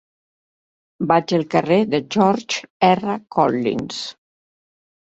Vaig al carrer de George R. Collins.